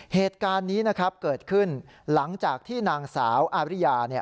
เหตุการณ์นี้นะครับเกิดขึ้นหลังจากที่นางสาวอาริยา